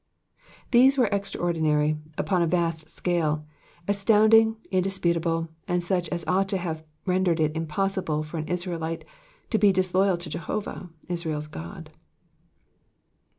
These were extraordinary, upon a vast scale, astounding, indisputable, and such as ought to have ren dered it impossible fol* an Israelite to be disloyal to Jehovah, Israelis God.